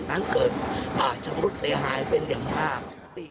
ทั้งเกิดอาจจะมรุษย์เสียหายเป็นอย่างมาก